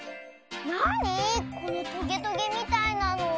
なにこのトゲトゲみたいなの？